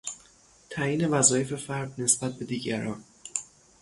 تعیین وظایف فرد نسبت به دیگران